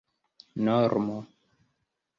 normo